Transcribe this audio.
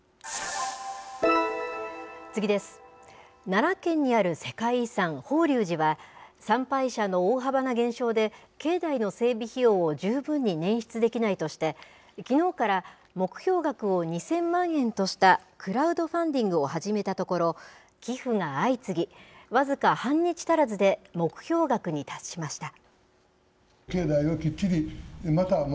奈良県にある世界遺産、法隆寺は、参拝者の大幅な減少で、境内の整備費用を十分に捻出できないとして、きのうから目標額を２０００万円としたクラウドファンディングを始めたところ、寄付が相次ぎ、僅か半日足らずで、目標額に達しました。